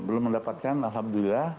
belum mendapatkan alhamdulillah